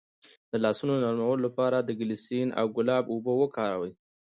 د لاسونو نرمولو لپاره د ګلسرین او ګلاب اوبه وکاروئ